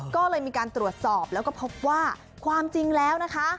ก็เลยมีการตรวจสอบแล้วก็พบว่าความจริงแล้วนะคะ